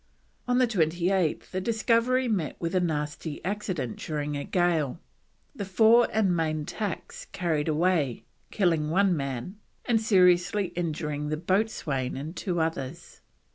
On 28th the discovery met with a nasty accident during a gale; the fore and main tacks carried away, killing one man, and seriously injuring the boatswain and two others.